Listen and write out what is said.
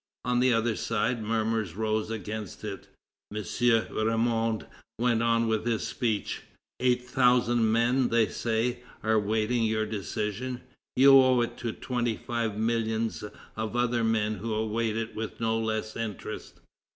On the other side murmurs rose against it. M. Ramond went on with his speech: "Eight thousand men, they say, are awaiting your decision. You owe it to twenty five millions of other men who await it with no less interest....